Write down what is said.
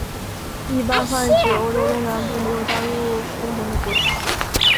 一般泛指欧洲东南部没有加入欧盟的国家。